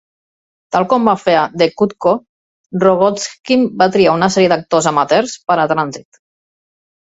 Tal com va fer a "The Cuckoo", Rogozhkin va triar una sèrie d'actors amateurs per a "Transit".